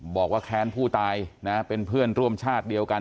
แค้นผู้ตายนะเป็นเพื่อนร่วมชาติเดียวกัน